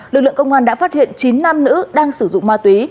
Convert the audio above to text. lực lượng công an đã phát hiện chín nam nữ đang sử dụng ma túy